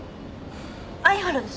相原です。